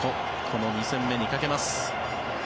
この２戦目にかけます。